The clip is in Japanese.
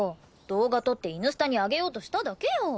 動画撮ってイヌスタに上げようとしただけよ。